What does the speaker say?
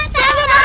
jangan pak rt